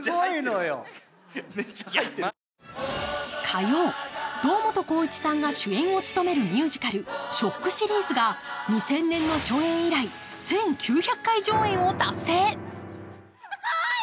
火曜、堂本光一さんが主演を務めるミュージカル「ＳＨＯＣＫ」シリーズが２０００年の初演以来、１９００回公演を達成。